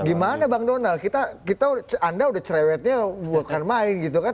gimana bang donal kita anda udah cerewetnya bukan main gitu kan